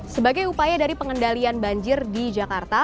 sebagai upaya dari pengendalian banjir di jakarta